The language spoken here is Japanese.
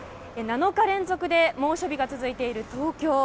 ７日連続で猛暑日が続いている東京。